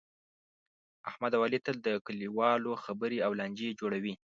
احمد اوعلي تل د کلیوالو خبرې او لانجې جوړوي.